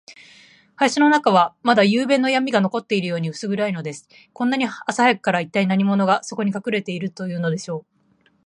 林の中は、まだゆうべのやみが残っているように、うす暗いのです。こんなに朝早くから、いったい何者が、そこにかくれているというのでしょう。